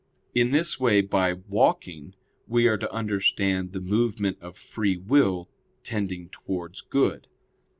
In this way by "walking" we are to understand the movement of free will tending towards good.